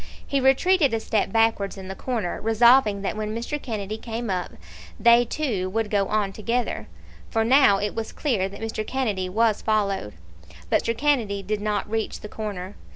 He retreated a step backwards in the corner, resolving that when Mr. Kennedy came up, they two would go on together; for now it was clear that Mr. Kennedy was followed. But Mr. Kennedy did not reach the corner.